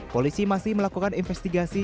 polisi masih melakukan investigasi